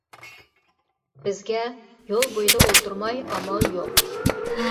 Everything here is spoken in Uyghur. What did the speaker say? بىزگە يول بويىدا ئولتۇرماي ئامال يوق.